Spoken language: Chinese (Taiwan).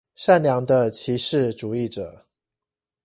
善良的歧視主義者